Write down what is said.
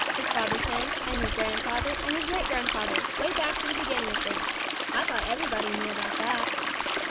His father sang, and his grandfather, and his great grandfather, way back to the beginning of things. I thought everybody knew about that."